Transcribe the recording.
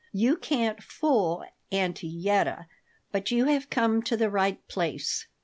"You can't fool Auntie Yetta. But you have come to the right place.